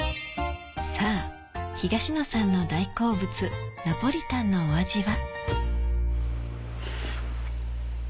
さぁ東野さんの大好物ナポリタンのお味は？